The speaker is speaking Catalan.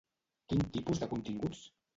Quin tipus de continguts?